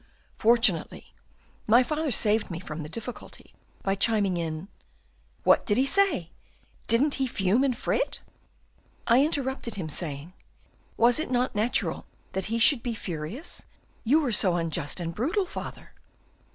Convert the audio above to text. Fortunately, my father saved me from the difficulty by chiming in, "'What did he say? Didn't he fume and fret?' "I interrupted him, saying, 'Was it not natural that he should be furious, you were so unjust and brutal, father?